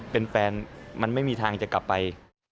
เป็นแฟนมันไม่มีทางจะกลับไป